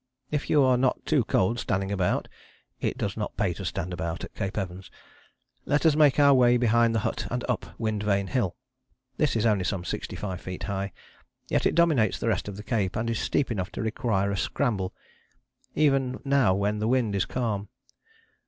If you are not too cold standing about (it does not pay to stand about at Cape Evans) let us make our way behind the hut and up Wind Vane Hill. This is only some sixty five feet high, yet it dominates the rest of the cape and is steep enough to require a scramble, even now when the wind is calm.